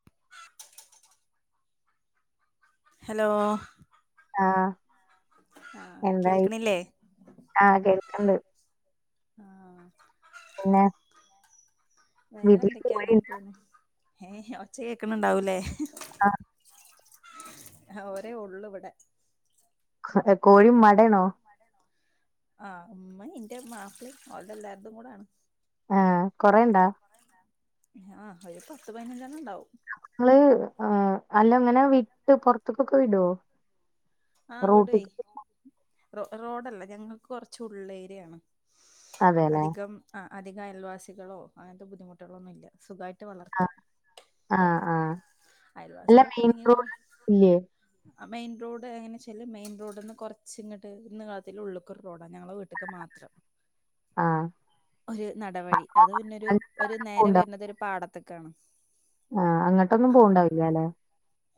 [inaudible] Hello ആ ആ കേൾക്ണില്ലേ ആ കേൾക്കിണ്ട് ആ പിന്നെ വേറെ വീട്ടില് എന്തൊക്കെയാ അങ്ങനെ കോഴിണ്ട് പോന്ണ് ഏ ഒച്ച കേക്കണണ്ടാവൂലേ ആ ആവരെ ഉള്ളു ഇവിടെ കോഴിമ്മാടെയാണോ ആ ഉമ്മ ഇന്റെ മാപ്പിളീം ഓലത് എല്ലാരിതും കൂടൊണ് ആ കൊറെണ്ടാ ആ ഒര് പത്ത് പതിനഞ്ചണ്ണം ണ്ടാവും ങ്ങള് അല്ല ഇങ്ങനെ വിട്ട് പൊറത്തക്കൊക്കെ വിടോ ആ വിടേ റോട്ടിക്ക് റോഡല്ല ഞങ്ങൾക്ക് കൊറച്ച ഉള്ള ഏരിയാണ് അതെല്ലേ അധികം ആ അധിക അയൽവാസികളോ അങ്ങനത്തെ ബുദ്ധിമുട്ടുകളോ ഒന്നുല്ല സുഗായിട്ട് വളർത്താം ആ ആ അല്ല മെയിൻ റോഡ് ഇല്യേ ആ മെയിൻറോഡ് അത് എങ്ങനെചാല് മെയിൻ റോഡ്ന്ന് കുറച് ഇങ്ങട്ട് നീളത്തിൽ ഉള്ളിക് ര്റോഡാ ഞങ്ങളെ വീട്ട്ക്ക് മാത്രം ആ ഒരു നടവഴി അത് പിന്നെരു ഒരു നേരെ വരുന്നത് ഒരു പാടത്ത്ക്കാണ് ആ അങ്ങട്ടൊന്നും പോവണ്ടാവില്ല അല്ലേ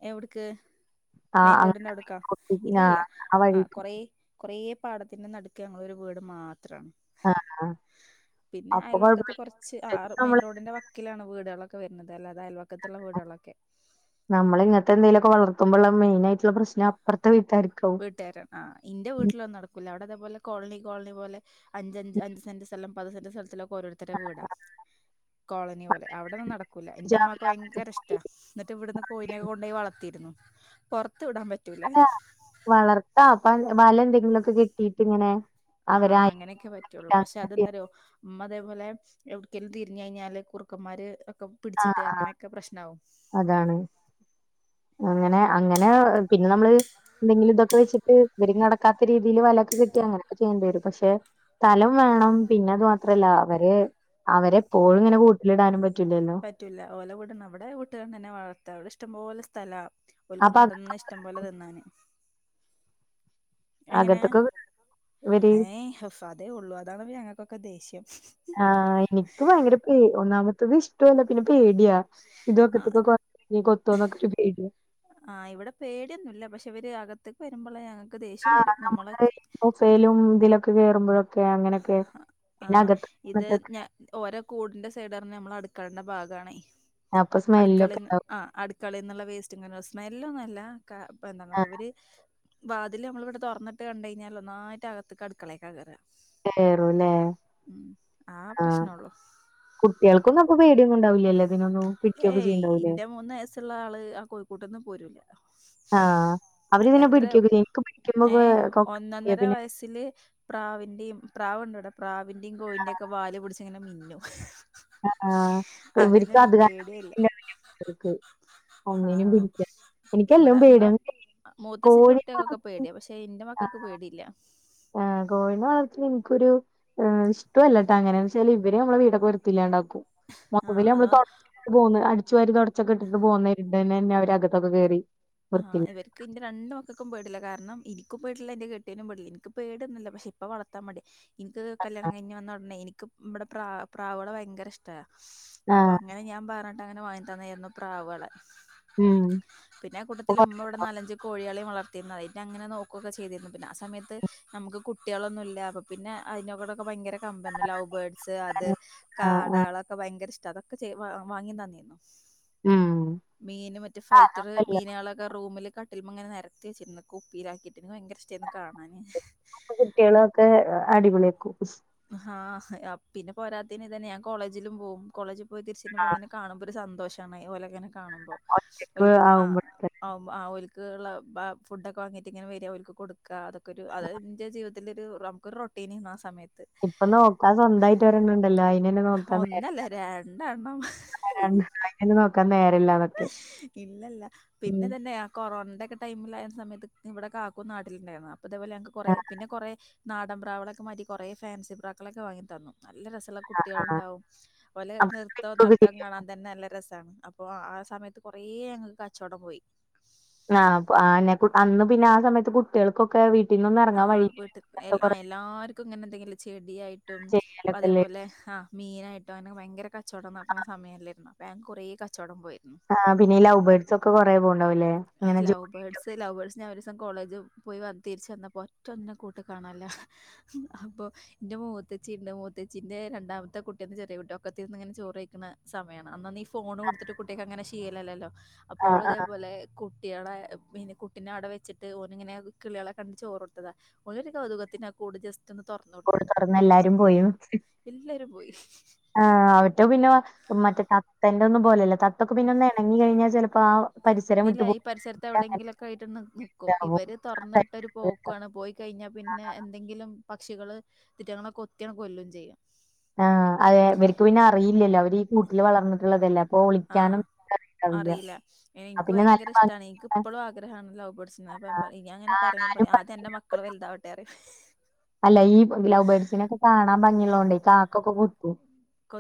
എവിട്ക്ക് ആഹ് മെയിൻ അങ്ങട്ട് റോഡിന്റെ അവിടുക്കാ ആഹ് ആ ഇല്ലല്ല ആ വഴിക്ക് കൊറ കുറെേ പാടത്തിന്റെ നടുക് ഞങ്ങളെ ഒരു വീട് മാത്രാണ് ആ ആ പിന്നെ അയൽവക്കത്ത് കുറച്ച് ആറ് മെയിൻ നമ്മള് റോഡിന്റെ വ വക്കിലാണ് വീടുകളൊക്കെ വരുന്നത് അല്ലതെ അയൽവക്കത്തുള്ള വീടളൊക്കെ നമ്മള് ഇങ്ങനത്തെന്തങ്കിലൊക്കെ വളർത്തുമ്പോ മെയിനയിട്ടുള്ള പ്രശ്നം അപ്റത്തെ വീട്ടാരിക്ക വീട്ടരൻ ആ ന്റെ വീട്ടിലൊന്നും നടക്കൂല്ല അവിടെ അതേപോലെ കോളനി കോളനി പോലെ അഞ്ച്ഞ്ച് അഞ്ച് സെന്റ് സ്ഥം പത്ത് സെന്റ് സ്ഥലൊക്കെ ഓരോര് ത്തര വീടാ കോളനി പോലെ അവിടന്നും നടക്കൂല ന്റെ മ്മാക്ക് വീട്ടാര്ക്കാവും ഭയങ്കര ഇഷ്ട റ്റ എന്നിട്ട് ഇവിടുന്ന് കോയിനൊക്കെ കൊണ്ടോയി വളർത്തിരുന്നു പുറത്ത് വിടാൻ പറ്റൂല വളർത്താ അപ്പ വല എന്തെങ്കിലുക്കെ കെട്ടിട്ട് ഇങ്ങനെ ആഹ് അവരായിട്ട് അങ്ങനെയൊക്കെ പറ്റുള്ളൂ പക്ഷെ അങ്ങനെ അതെന്താറിയോ മ്മ അതേപോലെ എവിടക്കേലും തിരിഞ്ഞ് കഴിഞ്ഞാല് കുറുക്കമ്മാര് ഒക്കെ ആ പിടിച്ചിട്ട് അങ്ങനെയൊക്കെ പ്രശ്നാവും അതാണ് അങ്ങനെ അങ്ങനെ പിന്നെ നമ്മള് എന്തെങ്കിലും ഇതാക്കെ വെച്ചിട്ട് ഇവര് നടക്കാത്ത രീതിയിൽ വലൊക്കെ കിട്ടി അങ്ങനൊക്കെ ചെയ്യേണ്ടിവരും പക്ഷെ സ്ഥലം വേണം പിന്നെ അതു മാത്രല്ല അവര് അവരെപ്പോഴും ഇങ്ങനെ കൂട്ടിലിടാനും പറ്റൂലല്ലോ പറ്റൂല ഓല അവിടെ കട്ടുകാര തന്നെ വളർത്ത അവിടെ ഇഷ്ടംപോലെ സ്ഥല അവ ഓലക്ക് അപ്പൊ അക നടന്ന ഇഷ്ടം പോലെ തിന്നാന് എങ്ങനെ അകത്തൊക്കെ ഇവര് ഏഹ്ഫേ അതേ ഉള്ളൂ അതാണ് ഞങ്ങൾക്കൊക്കെ ദേഷ്യം ആഹ് എനിക്ക് ഭയങ്കര പേ ഒന്നാമത്തത് ഇഷ്ടോല്ല പിന്നെ പേടിയാ ആഹ് ഇതൊക്കെത്തക്കെ ഞ് കൊത്തൊന്നൊക്കെ ഒരു പേടിയാ ആഹ് ഇവിടെ പേടിയൊന്നും ഇല്ല പക്ഷെ ഇവര് അകത്തേക്ക് വരുമ്പോള ഞങ ആ നമുക്ക് ഈ ബൊഫേലും ഇതിലൊക്കെ കേറുമ്പോഴും ക്കെ അങ്ങനെക്കെ ആഹ് പിന്നകത്ത് ഇത് [unintelligible] ഞ ഓരോ കൂടിന്റെ സൈഡറിന്നു നമ്മൾ അടുക്കളന്റെ ഭാഗാണേ അപ്പൊ അടുക്കള സ്മെല്ലൊക്കെ ഉണ്ടാവും ആഹ് അടുക്കളന്നുള്ള വേസ്റ്റ് ഇങ്ങന സ്മെല്ലൊന്നല്ല ക്ക ഇപ്പൊ ആ ന്താപറിയാ ഇവര് വാതില് നമ്മൾ ഇവിടെ തൊർന്നിട്ട് കണ്ട് കഴിഞ്ഞാല് ഒന്നായിട്ട് അകത്തക്ക് അടുക്കളേക്ക കേറാ കേറൂല്ലെ ആഹ് പ്രശ്നൊള്ളൂ കുട്ടികൾക്കൊന്നും അപ്പൊ പേടിയൊന്നും ഉണ്ടാവില്ലല്ലോ ഇതിനൊന്നും പിടിക്കൊക്കെ ഏയ് ചെയ്യണ്ടാവൂലേ ഇന്റെ മൂന്ന് വയസ്സുള്ള ആള് ആ കൂട്ട്ന്ന് പോരൂല്ല ആഹ് അവരിതിനെ എത്ര പിടിക്കൊക്കെ ചെയ്യും എനിക്ക് പിടിക്കുമ്പോ കൊ ഏഹ് കൊക്കെ ഒന്നൊന്നര പിന്നെ വയസ്സില് പ്രാവിന്റിം പ്രാവുണ്ടിവിടെ പ്രാവിന്റിം കോയിന്റൊക്കെ വാല് പിടിച്ച് ഇങ്ങനെ മിന്നും ആഹ് അങ്ങനെ ഇവർക്ക് ഒരു അത് കാ പേടിയല്ല ആഹ് ഇവിടെന്ന് പേടിയാണ് മൂത്തച്ചന്റെ കോഴിനെ വളർത്ത കുട്ടികക്കൊക്കെ പേടിയ പക്ഷെ ഇന്റെ മക്കക്ക് പേടില്ല കോഴിനെ വളർത്തി ഇൻക്കൊരു ഇഷ്ടല്ലട്ടാ അങ്ങനന്ന് വെച്ചാൽ ഇവരേ നമ്മടെ വീടൊ ത്തില്ലാണ്ടാക്കും ആഹ് മൊത്തത്തില് നമ്മള് അതോ തൊട പോന്ന് അടിച്ചു വാരി തൊടച്ചൊക്കെ ഇട്ടിട്ട് പോന്നതേ ഇണ്ട് തന്നെ അവര് അകത്തൊക്കെ കയറി ആഹ് ഇവര് ക്ക് ന്റെ രണ്ട് മക്കൾക്കും പേടില്ല കാരണം ഇനിക്കും പേടില്ല എന്റെ കെട്ട്യോനും പേടില്ല എനിക്ക് പേട്യൊന്നുല്ല പക്ഷെ ഇപ്പ വർത്താൻ മട്യാ ഇൻക്ക് കല്യാണം കഴിഞ്ഞ് വന്ന ഉടനെ ഇൻക്ക് ഇമ്മടെ പ്രാ പ്രാവോളെ ഭയങ്കര ഇഷ്ട അപ്പൊ ആഹ് അങ്ങനെ ഞാൻ പറഞ്ഞിട്ട് അങ്ങനെ വങ്ങി തന്നായിരുന്നു പ്രാവുകളെ ഉം പിന്നെ കൂട്ടത്തിൽ ഉമ്മ ഇവിടെ നാലഞ്ച് കോഴിയളിം വളർത്തിരുന്ന് അതി അങ്ങനെ നോക്കുഒക്കെ ചെയ്തിരുന്നു പിന്നെ ആ സമയത്ത് നമുക്ക് കുട്ടികളൊന്നുല്ല അപ്പൊ പിന്നെ അതിനവിടൊക്കെ ഭയങ്കര ലവ് ബേഡ്സ് അത് ആഹ് ആഹ് കാടകളൊ ഭയങ്കര ഇഷ്ട അതൊക്കെ വാങ്ങി തന്നിരുന്നു ഉം മീന് മറ്റേ ഫൈറ്റർ അല്ലാത്ത മീനാളൊക്കെ റൂമില് കട്ടിൽമെക്കെ നെരത്തി വെച്ചിര്ന്ന് കുപ്പിയിലാക്കിട്ട് ൻക്ക് ഭയങ്കര ഇഷ്ടാര്ന്നു കാണാന് കുട്ടികളൊക്കെ അടിപൊളിയേക്കും ആഹ് പിന്നെ പോരാത്തേന് ഇതന്ന ഞാൻ കോളേജിലും പോകും കോളേജിൽ പോയി തിരിച്ചിങ്ങനെ കാണുമ്പോ ഒരു സന്തോഷാണേ ഓലെങ്ങനെ കാണുമ്പോ ഒറ്റക്ക് ഒലുക്ക് ആവുമ്പോഴൊക്കെ ആഹ് ആഹ് ഓല്ക്ക് ഉള്ള ഫുഡൊക്കെ വാങ്ങിട്ട് ഇങ്ങനെ വരിക ഓല്ക്ക് കൊടുക്ക അതൊക്കെ ഒരു അത് ൻ്റെ ജീവിതത്തി ൻ്റൊരു റമുക്കൊരുറട്ടീനുണ്ടാ സമയത്ത് ഇപ്പൊ നോക്കാ സ്വന്തമായിട്ട് ഒരെണ്ണം ഉണ്ടല്ലോ അയിനെന്നെ ഒന്നല്ല രണ്ടെണ്ണം അങ്ങനെ നോക്കാൻ നേരല്ലാതെ ഇല്ലല്ല പിന്നെ തന്നേ കൊറോണന്റൊക്കെ ടൈമിലായ്ന്ന സമയത്ത് ഇവടെ കാക്കും നാട്ടില് ഇണ്ടായിരുന്നു അപ്പ ഇതേ പോലേ കൊറേ ആഹ് പിന്നെ കൊറേ നാടൻ പ്രാവേളൊക്കെ മാറ്റി കൊറേ ഫാൻസി പ്രാക്കെളൊക്കെ വാങ്ങി തന്നു നല്ല രസള്ള ആഹ് കുട്ട്യേള്ണ്ടാവും ഓലെ അപ്പൊ നിർത്തോം നിക്കൊക്കെ നടത്തോക്കെ ചെയ്യും കാണാൻ തന്നെ നല്ലെ രസാണ് അപ്പോ ആ സമയത്ത് കൊറേ ഞങ്ങക്ക് കച്ചോടം പോയി ആഹ് ആന്നെ അന്ന് പിന്നെ ആ സമയത്ത് കുട്ട്യേൾക്കൊക്കെ വീട്ടിൽന്നൊന്നും എറങ്ങാൻ വഴീല്ലല്ലോ എല്ലാർക്കുങ്ങനെന്തെങ്കിലും ചെടിയായിട്ടും അതേ ചെയ്യലൊക്കെല്ലേ പോലെ ആഹ് മീനായിട്ടും അങ്ങനൊക്കെ ഭയങ്കെരെ ക കച്ചോടം നടക്ക്ണ് സമയല്ലേർന്നോ പ്പം ങ്ങ് കൊറേ കച്ചോടം പോയീർ. ആഹ് പിന്നെ ഈ ലൗ ബേർഡ്സൊക്കെ കൊറേ പോക്ണ്ടാവൂല്ലേ? ലൗബ് ബേഡ്സ് ലൗ ബേർഡ്സ് ഞാ ഒരോസം കോളേജ് പോയി വ തിരിച്ചന്നപ്പോ ഒറ്റൊന്നിനും കൂട്ടീ കാണല്ലാ ഹ് ഹപ്പോ ന്റെ മൂത്തച്ചിണ്ട് മൂത്തച്ചിന്റെ രണ്ടാമത്തെ കുട്ട്യന്ന് ചെറിയ കുട്ട്യാ ഒക്കത്തിതിരുന്ന്ങ്ങന ചോറ് കഴിക്ക്ണ സമയാണ് അന്നൊന്നീ ഫോണ് കൊടുത്തിട്ട് കുട്ട്യേക്കങ്ങനെ ശീലല്ലല്ലോ ആഹ് ആഹ് അപ്പോയിതേപോലെ കുട്ട്യേളെ പിന്നെ കുട്ടിനെ അവിടെ വെച്ചിട്ട് ഓനിങ്ങനെ കിള്യേളെ കണ്ട് ചോറൊട്ത്തതാ ഓനൊര് കൗതുകത്തിനാ കൂട് ജസ് ചെന്ന് തൊറന്നോ കൂട് തൊറന്നെല്ലാരും പോയോ? എല്ലാരും പോയി. ആഹ് അവറ്റോ പിന്നെ മറ്റേ തത്തന്റെന്നും പോലല്ല തത്തൊക്ക് ഉം. പിന്നൊന്നെണങ്ങി കഴിഞ്ഞാ ചെലപ്പോ ആ പരിസരം വിട്ടു ഇല്ല ഈ പോകും പരിസരത്ത് എവിടെങ്കിലൊക്കെ ആയിട്ട് നിക്കും അങ്ങനെതാവും ഇവര് തുറന്ന് വിട്ടൊര് പോക്കുവ്വാണ് പോയി കഴിഞ്ഞാ പിന്നെ എന്തെങ്കിലും പക്ഷികള് തിറ്റ്ങ്ങളെ കൊത്ത്യാണ് കൊല്ലും ചെയ്യും. ആഹ് അതെ ഇവര്ക്ക് പിന്നറിയില്ലല്ലോ അവരീ കൂട്ടില് വളർന്നിട്ട്ള്ളതല്ലേ അപ്പൊ ഒളി ആഹ് അറിയില. അപ്പൊ എൻക്ക് പിന്നെ നല്ല ഭയങ്കരേഷ്ടാണ് ഭംഗി ഇൻക്കിപ്പളു ആഗ്രഹാണ് ലൗ ബേർഡ്സിനെ അപ്പ ഞാങ്ങനെ പറയുമ്പോ കാണാനും പറയു ഭംഗി ആദ്യന്റെ മക്ക മക്കള് വലുതാവട്ടേറയും അല്ല ഈ ലൗബേഡ്സിനൊക്കെ കാണാൻ ഭംഗിള്ളോണ്ടേ കാക്കൊക്കെ കൊത്തൂം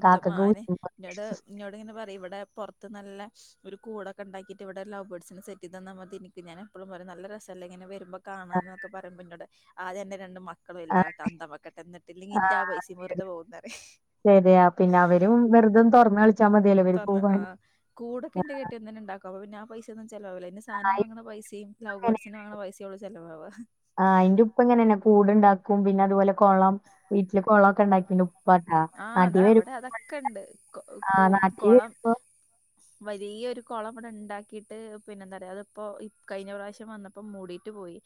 കാക്കക്ക് [unintelligible] ഇന്നോടിങ്ങനെ പറയു ഇവ് വിടെ പൊറത്ത് നല്ല ഒരു കൂടൊക്കെണ്ടാക്കിട്ട് ഇവിടെ ലവ് ബേഡ്സിന് സെറ്റെത് ന്നാൽ മതിനി ഞാനെപ്പളും പറയൂ നല്ല രെസല്ലേങ്ങനെ വെരുമ്പോ കാണാന് ന്നൊക്കെ പറയുമ്പന്നോട് ആദ്യൻ്റെ രണ്ട് മക്ക മക്കള് ആഹ് വെല്താവട്ടെ അത്തം വക്കട്ടെ ന്നട്ട് ഇല്ലെങ്കീ ഇന്റെ ആ പൈസിം വെർതെ പോകുന്നറിയും ശെരിയാ പിന്നവരും വെറുതൊന്ന് തൊറന്ന് കളിച്ചാൽ മതിയല്ലോ വര് പൂവ്വാൻ കൂടൊക്കെന്റെ കെട്ട്യോ തന്നെണ്ടാക്കൂ അപ്പോ പിന്നെ ആ പൈസേന്നും ചെലവാവുലന്നേ- സാനം നായും വാങ്ങ്ണ പൈസേം ലൗ അങ്ങനെ ബേർഡ്സിനെ വാങ്ങ്ണ പൈസേള്ളൂ ചെലവാവുവ ഇപ്പങ്ങനേന്നെ കൂട്ണ്ടാക്കും പിന്നെ അതുപോലെ കൊളം വീട്ടില് കൊളൊക്കെണ്ടാ പിന്നെ ഉപ്പട്ടാ ആ നാട്ടീ അതാ വെരു ഇവിടെ അതൊക്കെ ഉണ്ട് കൊ കു ആഹ് നാട്ടീ കൊളം വെരുമ്പോ വലിയൊരു കൊളം ഇവടെണ്ടാക്കിട്ട് പിന്നെന്താറയാ അതിപ്പോ ഈ കഴിഞ്ഞ പ്രാശ്യം വന്ന പ്പം മൂടീട്ട് പോയി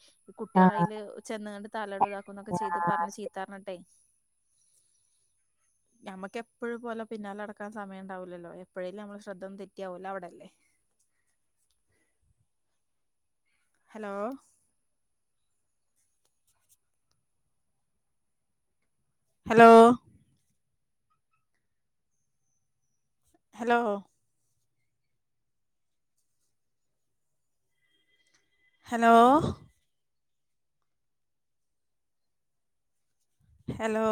ആഹ് കുട്ട്യേളയില് ചെന്ന്ങ്ങാണ്ട് തലടൂ ഇതാക്കുംന്നൊക്കെ ചെയ്ത് പറഞ്ഞ് ആഹ് ചീത്തറഞ്ഞിട്ടേ ഞമ്മക്കെപ്പഴുപ്പോലെ പിന്നാലടക്കാൻ സമയംണ്ടാവുലല്ലോ എപ്പോഴേലും അമ്മള് ശ്രദ്ധൊന്ന് തെറ്റ്യാ ഓലവ്ടെല്ലേ hello? Hello? Hello? Hello? Hello?